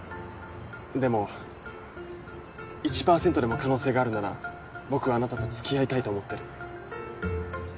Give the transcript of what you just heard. でも１％でも可能性があるなら僕はあなたとつき合いたいと思ってる。